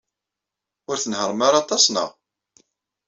Ur tnehhṛem ara aṭas, naɣ?